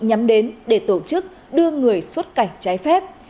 nhắm đến để tổ chức đưa người xuất cảnh trái phép